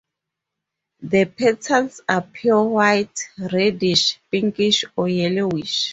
The petals are pure white, reddish, pinkish or yellowish.